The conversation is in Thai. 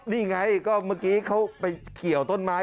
นี่ไงก็เมื่อกี้เขาไปเกี่ยวต้นไม้